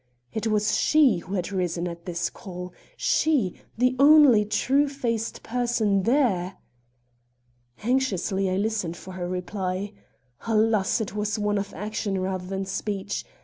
It was she who had risen at this call. She, the only true faced person there! Anxiously I listened for her reply. Alas! it was one of action rather than speech.